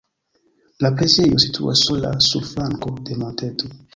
La preĝejo situas sola sur flanko de monteto.